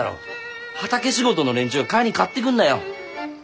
畑仕事の連中が帰りに買ってくんだよ。